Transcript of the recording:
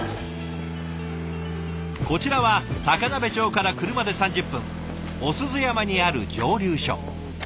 こちらは高鍋町から車で３０分尾鈴山にある蒸留所。